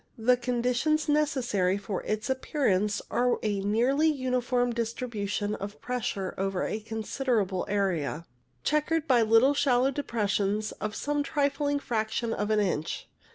The conditions necessary for its appearance are a nearly uniform distribution of pressure over a considerable area, chequered by little shallow a: o >■ N o UJ o z < T o CHANGE CIRRUS 37 depressions of some trifling fraction of an inch.